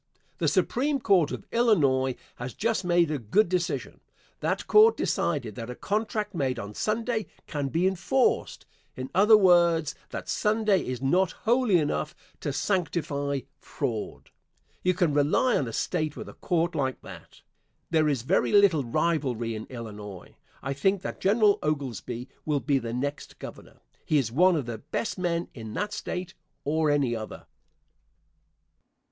The Supreme Court of Illinois has just made a good decision. That Court decided that a contract made on Sunday can be enforced. In other words, that Sunday is not holy enough to sanctify fraud. You can rely on a State with a Court like that. There is very little rivalry in Illinois. I think that General Oglesby will be the next Governor. He is one of the best men in that State or any other.